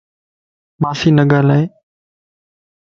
مانسين نه ڳالھائي